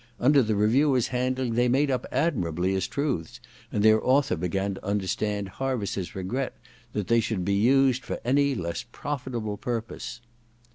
Under the reviewer*s handling they made up admirably as truths, and their author began to understand Harviss's regret that they should be used for any less profitable purpose.